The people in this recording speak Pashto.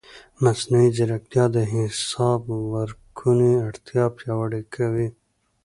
مصنوعي ځیرکتیا د حساب ورکونې اړتیا پیاوړې کوي.